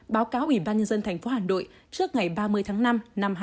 báo cáo ủy ban nhân dân thành phố hà nội trước ngày ba mươi tháng năm năm hai nghìn hai mươi bốn